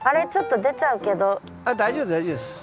あっ大丈夫大丈夫です。